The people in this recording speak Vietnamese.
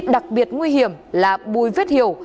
đặc biệt nguy hiểm là bùi vết hiểu